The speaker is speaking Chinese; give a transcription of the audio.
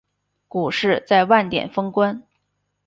股市在万点封关